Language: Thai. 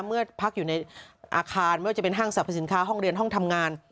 เมื่อพักอยู่ในอาคารไม่ว่าจะเป็นห้างสรรพสินค้าห้องเรียนห้องทำงาน